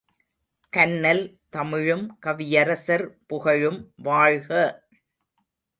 கன்னல் தமிழும் கவியரசர் புகழும் வாழ்க.